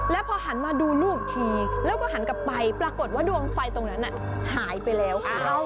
แล้วพอหันมาดูลูกทีแล้วก็หันกลับไปปรากฏว่าดวงไฟตรงนั้นหายไปแล้วค่ะ